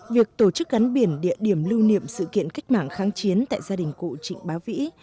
việc tổ chức gắn biển địa điểm lưu niệm sự kiện cách mạng kháng chiến tại gia đình cụ trịnh bá vĩ